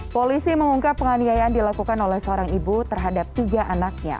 polisi mengungkap penganiayaan dilakukan oleh seorang ibu terhadap tiga anaknya